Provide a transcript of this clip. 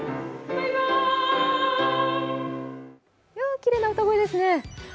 きれいな歌声ですね。